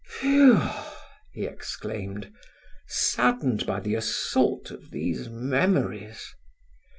"Phew!" he exclaimed, saddened by the assault of these memories.